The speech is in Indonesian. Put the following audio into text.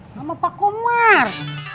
sama pak komar